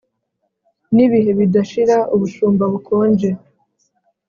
nibihe bidashira: ubushumba bukonje!